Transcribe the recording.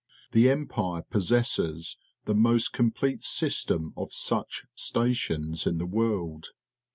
The Empire possesses the most complete system of such stations in the world.